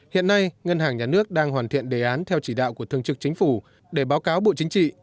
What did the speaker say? hiện nay ngân hàng nhà nước đang hoàn thiện đề án theo chỉ đạo của thương trực chính phủ để báo cáo bộ chính trị